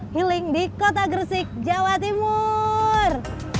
healing di kota gresik jawa timur